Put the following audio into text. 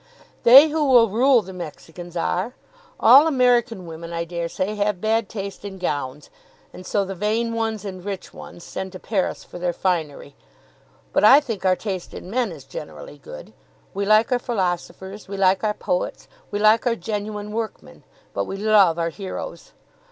"They who will rule the Mexicans are. All American women I dare say have bad taste in gowns, and so the vain ones and rich ones send to Paris for their finery; but I think our taste in men is generally good. We like our philosophers; we like our poets; we like our genuine workmen; but we love our heroes.